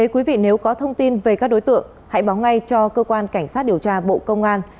quý vị nếu có thông tin về các đối tượng hãy báo ngay cho cơ quan cảnh sát điều tra bộ công an